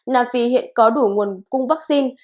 nam phi hiện có đủ nguồn cung vaccine